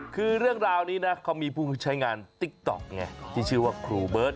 คือเรื่องราวนี้นะเขามีผู้ใช้งานติ๊กต๊อกไงที่ชื่อว่าครูเบิร์ต